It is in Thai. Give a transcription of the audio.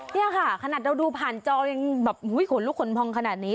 นี่ค่ะขนาดเราดูผ่านจอยังแบบขนลุกขนพองขนาดนี้